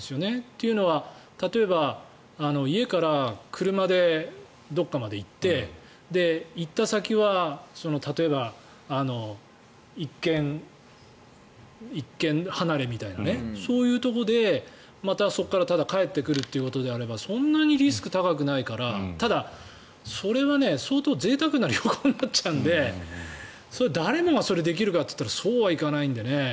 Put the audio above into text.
というのは例えば家から車でどこかまで行って行った先は例えば１軒離れみたいなそういうところで、またそこからただ帰ってくるということであればそんなにリスクが高くないからそれは相当ぜいたくな旅行になっちゃうので誰もがそういくかというとそうはいかないのでね